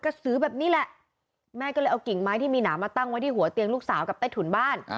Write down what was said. สือแบบนี้แหละแม่ก็เลยเอากิ่งไม้ที่มีหนามาตั้งไว้ที่หัวเตียงลูกสาวกับใต้ถุนบ้าน